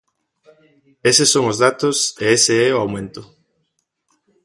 Eses son os datos e ese é o aumento.